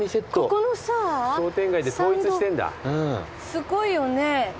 すごいよね。